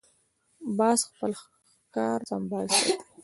باز خپل ښکار سمبال ساتي